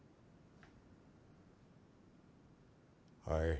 はい。